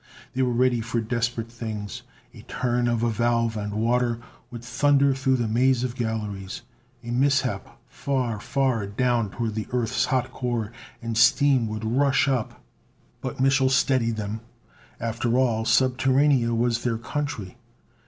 They were ready for desperate things. A turn of a valve and water would thunder through the maze of galleries; a mishap far, far down toward the earth's hot core, and steam would rush up But Mich'l steadied them. After all, Subterranea was their country.